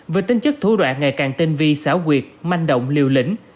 với tinh chất thủ đoạn ngày càng tinh vi xảo quyệt manh động liều lĩnh